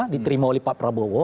diterima oleh pak prabowo